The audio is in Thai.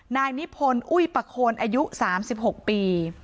นายนิพนธ์อุ้ยประโคนอายุ๓๖ปี